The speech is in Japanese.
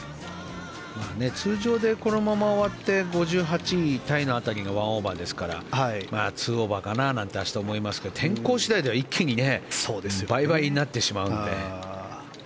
通常でこのまま終わって５８位タイ辺りが１オーバーですから２オーバーかななんて明日、思いますけど天候次第では一気に倍々になってしまうのでね。